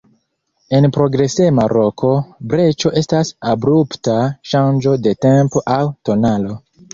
En progresema roko breĉo estas abrupta ŝanĝo de tempo aŭ tonalo.